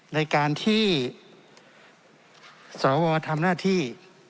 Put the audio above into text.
ในการที่สวทำหน้าที่